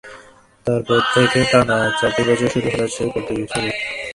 তারপর থেকে টানা চারটি বছর শুধু হতাশই হতে হয়েছে পর্তুগিজ ফরোয়ার্ডকে।